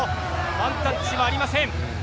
ワンタッチはありません。